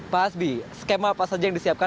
pak hasbi skema apa saja yang disiapkan